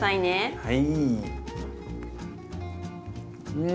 はい！